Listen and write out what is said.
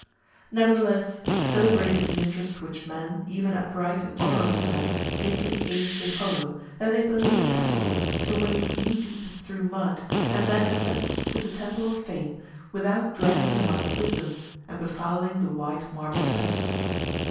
Nevertheless, so great is the interest which men, even upright and honorable men, take in the aims they follow, that they believe it possible to wade knee deep through mud, and then ascend to the temple of fame without dragging the mud with them, and befouling the white marble steps.